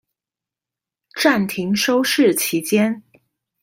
暫停收視期間